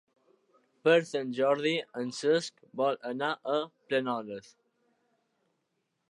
Per Sant Jordi en Cesc vol anar a Planoles.